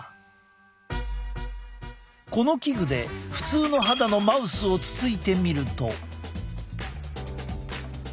この器具で普通の肌のマウスをつついてみると。